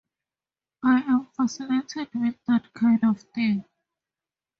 I am fascinated with that kind of thing.